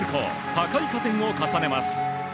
高い加点を重ねます。